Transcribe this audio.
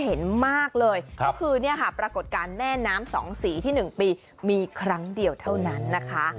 เห็นมากเลยก็คือเนี่ยค่ะปรากฏการณ์แม่น้ำสองสีที่๑ปีมีครั้งเดียวเท่านั้นนะคะ